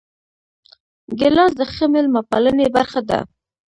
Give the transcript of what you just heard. ګیلاس د ښه میلمه پالنې برخه ده.